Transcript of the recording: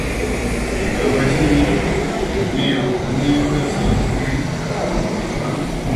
Kendo wachni omiyo ong'i weche mang'eny kaka gope mag